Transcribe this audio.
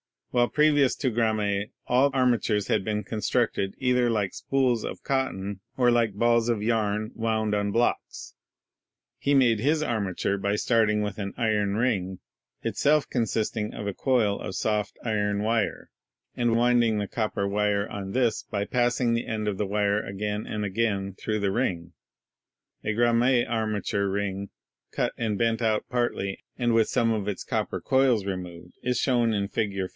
While previous to Gramme all armatures had been constructed either like spools of cotton or like balls of yarn wound on blocks, he made his arma ture by starting with an iron ring (itself consisting of a coil of soft iron wire), and winding the copper wire on this by passing the end of the wire again and again through the ring. A Gramme armature ring, cut and bent 196 ELECTRICITY out partly, and with some of its copper coils removed, is shown in Fig.